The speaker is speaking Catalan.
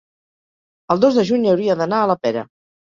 el dos de juny hauria d'anar a la Pera.